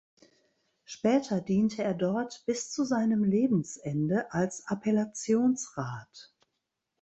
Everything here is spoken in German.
Später diente er dort bis zu seinem Lebensende als Appellationsrat.